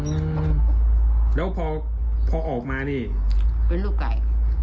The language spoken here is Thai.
อืมแล้วพอพอออกมานี่เป็นลูกไก่